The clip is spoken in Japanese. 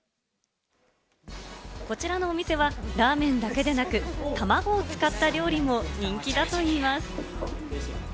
こちらのお店は、ラーメンだけでなく、たまごを使った料理も人気だといいます。